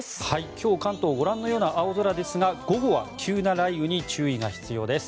今日、関東ご覧のような青空ですが午後は急な雷雨に注意が必要です。